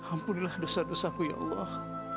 ampunilah dosa dosaku ya allah